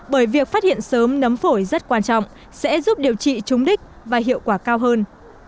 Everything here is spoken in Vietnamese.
bởi việc phát hiện sớm nấm phổi rất quan trọng sẽ giúp điều trị trúng đích và hiệu quả cao hơn